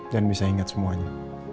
dan bisa inget semuanya